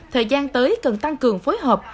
thời gian tới cần tăng cường phối hợp